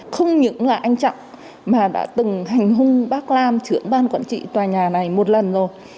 không những là anh trọng mà đã từng hành hung bác lam trưởng ban quản trị tòa nhà này một lần rồi